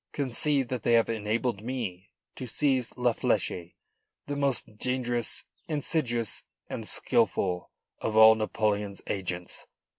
Conceive that they have enabled me to seize La Fleche, the most dangerous, insidious and skilful of all Napoleon's agents.